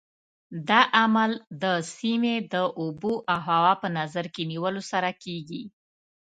دا عمل د سیمې د اوبو او هوا په نظر کې نیولو سره کېږي.